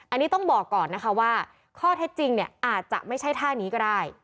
อันนี้ต้องบอกก่อนนะคะว่าข้อเท็จจริงเนี่ยอาจจะไม่ใช่ท่านี้ก็ได้